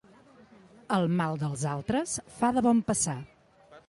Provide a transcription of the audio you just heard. El mal dels altres fa de bon passar.